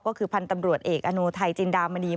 ก็คือพันธ์ตำรวจเอกอโนไทยจินดามณี